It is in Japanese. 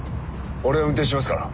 俺が運転しますから。